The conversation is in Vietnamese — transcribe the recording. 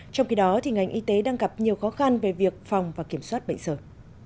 trong khi đó ngành y tế đang gặp nhiều khó khăn về việc phòng và kiểm soát bệnh sởi